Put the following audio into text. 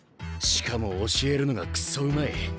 しかも教えるのがくそうまい。